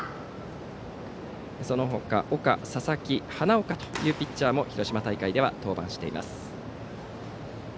その他、岡、佐々木、花岡というピッチャーも広島大会では登板しています。